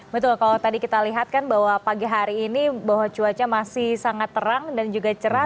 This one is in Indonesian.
betul kalau tadi kita lihat kan bahwa pagi hari ini bahwa cuaca masih sangat terang dan juga cerah